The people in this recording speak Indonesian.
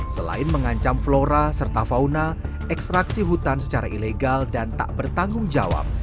selain mengancam flora serta fauna ekstraksi hutan secara ilegal dan tak bertanggung jawab